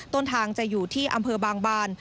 ต้นทางจะอยู่ที่อำเภอบางบาน